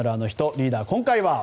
リーダー、今回は？